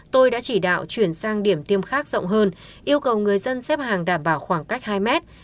tôi đã chỉ đạo chuyển sang điểm tiêm khác rộng hơn yêu cầu người dân xếp hàng đảm bảo khoảng cách hai mét